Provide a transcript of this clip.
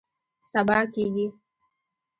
سبا کیږي